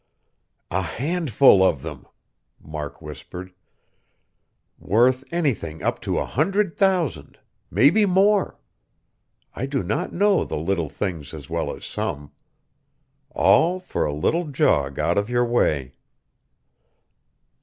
"A handful of them," Mark whispered. "Worth anything up to a hundred thousand. Maybe more. I do not know the little things as well as some. All for a little jog out of your way...."